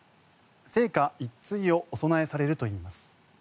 生花１対をお供えされるといいます。